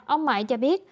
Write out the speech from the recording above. ông mãi cho biết